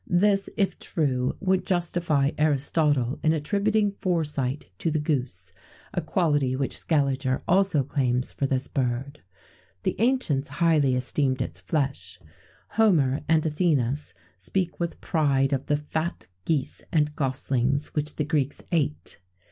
[XVII 49] This, if true, would justify Aristotle in attributing foresight to the goose;[XVII 50] a quality which Scaliger also claims for this bird.[XVII 51] The ancients highly esteemed its flesh. Homer[XVII 52] and Athenæus[XVII 53] speak with praise of the fat geese and goslings which the Greeks ate.